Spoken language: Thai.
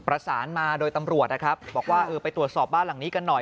ประสานมาโดยตำรวจนะครับบอกว่าเออไปตรวจสอบบ้านหลังนี้กันหน่อย